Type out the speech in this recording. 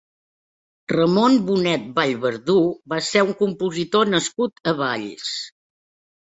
Ramon Bonet Vallverdú va ser un compositor nascut a Valls.